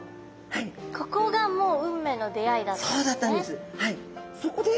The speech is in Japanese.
ここがもう運命の出会いだったんですね。